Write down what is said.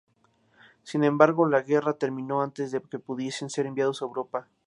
Sin embargo, la guerra terminó antes que pudiesen ser enviados a Europa.